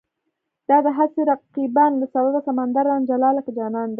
د دا هسې رقیبانو له سببه، سمندر رانه جلا لکه جانان دی